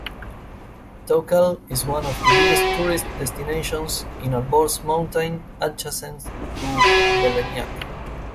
Tochal is one of biggest tourist destinations in Alborz Mountain adjacent to Velenjak.